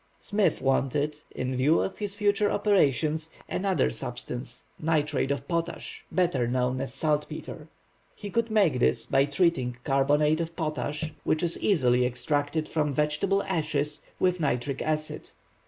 Smith wanted, in view of his future operations, another substance, nitrate of potash, better known as saltpetre. He could make this by treating carbonate of potash, which is easily extracted from vegetable ashes, with nitric acid.